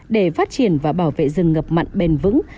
để phát triển và bảo vệ rừng ngập mặn bền vững